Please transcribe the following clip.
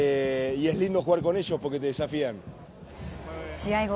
試合後